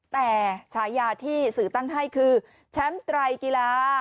แต่ฉายาที่สื่อตั้งให้คือแชมป์ไตรกีฬา